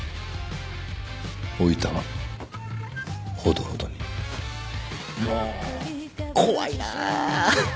おイタはほどほどに。も怖いな。